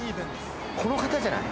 この方じゃない？